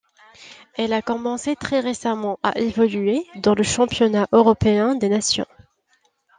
Elle a commencé très récemment à évoluer dans la Championnat européen des nations.